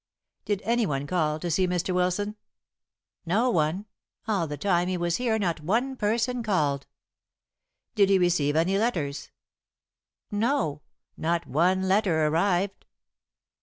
"Did any one call to see Mr. Wilson?" "No one. All the time he was here not one person called." "Did he receive any letters?" "No. Not one letter arrived."